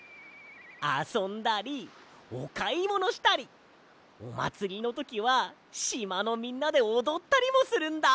あそんだりおかいものしたりおまつりのときはしまのみんなでおどったりもするんだ！